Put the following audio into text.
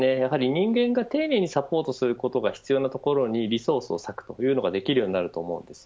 人間が丁寧にサポートすることが必要なところにリソースを割くということができるようになると思うんです。